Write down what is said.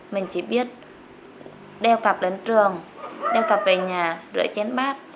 mình chỉ biết đeo cặp đến trường đeo cặp về nhà rửa chén bát